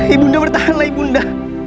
ibunda bertahanlah ibunda